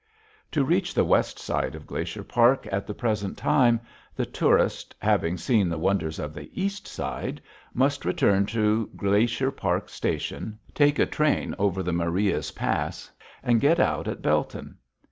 To reach the west side of Glacier Park at the present time, the tourist, having seen the wonders of the east side, must return to Glacier Park Station, take a train over the Marias Pass, and get out at Belton.